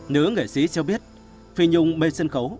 nữ nghệ sĩ cho biết phi nhung bên sân khấu